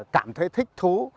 cảm thấy thích thú